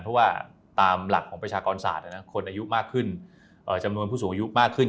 เพราะว่าตามหลักของประชากรศาสตร์คนอายุมากขึ้นจำนวนผู้สูงอายุมากขึ้น